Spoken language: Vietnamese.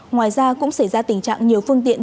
ngoài ra cũng xảy ra tình trạng nhiều phương tiện